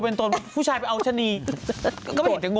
เฮ่ยอาวุธเขาไปเถ้าให้พูดฟัง